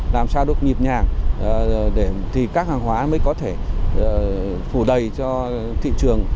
làm sao được nhịp nhàng thì các hàng hóa mới có thể phủ đầy cho thị trường